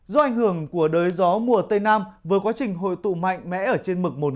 do ảnh hưởng của đới gió mùa tây nam với quá trình hội tụ mạnh mẽ ở trên mực một năm trăm linh m